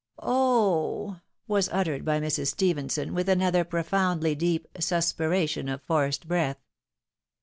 " Oh — h !" was uttered by Mrs. Stephenson, with another profoundly deep " suspiration of forced breath."